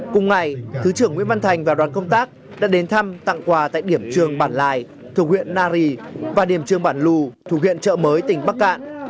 cùng ngày thứ trưởng nguyễn văn thành và đoàn công tác đã đến thăm tặng quà tại điểm trường bản lài thuộc huyện nari và điểm trường bản lù thuộc huyện trợ mới tỉnh bắc cạn